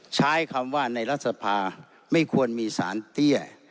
ใช้คำว่าในรัฐสภาไม่ควรมีสารเตี้ย